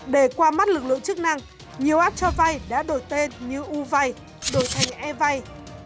để qua mắt lực lượng chức năng nhiều app cho vay đã đổi tên như uvay đổi thành evay